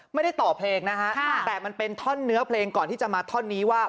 ไม่ได้ต่อเพลงนะฮะแต่มันเป็นท่อนเนื้อเพลงก่อนที่จะมาท่อนนี้ว่า